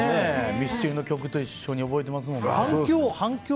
ミスチルの曲と一緒に覚えてますもん。